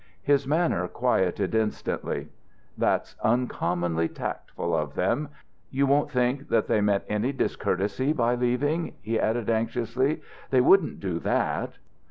His manner quieted instantly. "That's uncommonly tactful of them.... You won't think that they meant any discourtesy by leaving?" he added, anxiously. "They wouldn't do that."